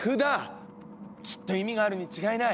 きっと意味があるに違いない！